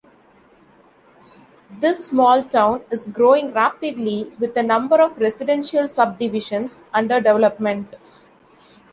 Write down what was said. This small town is growing rapidly with a number of residential subdivisions under development.